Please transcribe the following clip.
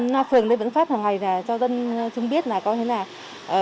loa phường vẫn phát hồi ngày là cho dân chúng biết là có thế nào